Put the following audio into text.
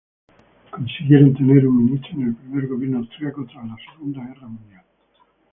Consiguieron tener un ministro en el primer gobierno austriaco tras la Segunda Guerra Mundial.